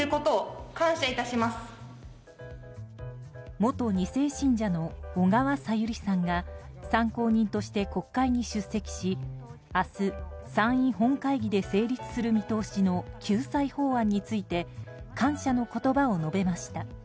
元２世信者の小川さゆりさんが参考人として国会に出席し明日、参院本会議で成立する見通しの救済法案について感謝の言葉を述べました。